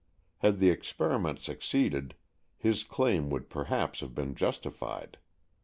Had the experi ment succeeded, his claim would perhaps have been justified.